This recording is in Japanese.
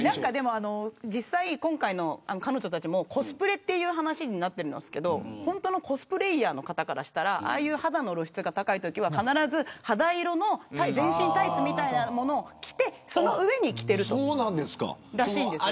実際、彼女たちもコスプレという話になってますが本当のコスプレーヤーの方からしたら肌の露出が高いときは肌色の全身タイツみたいなものを着てその上に着ているらしいです。